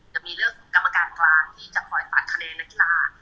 แต่มีเรื่องกรรมการกลางที่จะปล่อยปัดคะแนนนักกีฬา